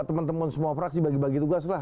teman teman semua fraksi bagi bagi tugas lah